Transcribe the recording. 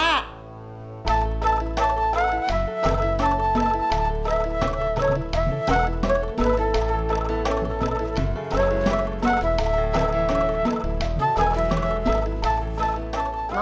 di tempat biasa